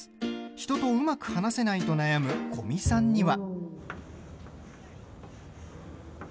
人とうまく話せないと悩む古見さんには。